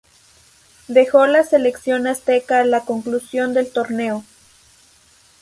Dejó la selección azteca a la conclusión del torneo.